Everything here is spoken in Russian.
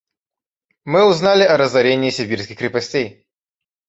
Мы узнали о разорении сибирских крепостей.